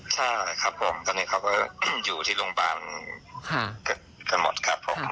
ใช่ครับผมตอนนี้เขาก็อยู่ที่โรงพยาบาลกันหมดครับผม